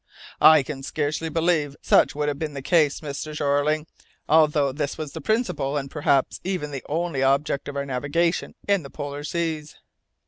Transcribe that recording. "I can scarcely believe such would have been the case, Mr. Jeorling, although this was the principal and perhaps even the only object of our navigation in the polar seas."